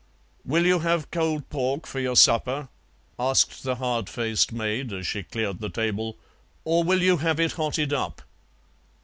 "Will you have cold pork for your supper," asked the hard faced maid, as she cleared the table, "or will you have it hotted up?"